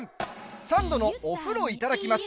「サンドのお風呂いただきます」